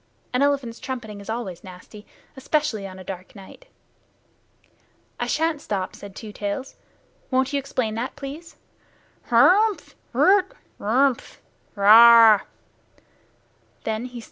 An elephant's trumpeting is always nasty, especially on a dark night. "I shan't stop," said Two Tails. "Won't you explain that, please? Hhrrmph! Rrrt! Rrrmph! Rrrhha!"